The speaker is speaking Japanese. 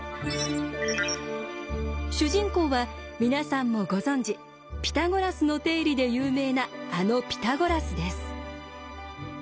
主人公は皆さんもご存じピタゴラスの定理で有名なあのピタゴラスです。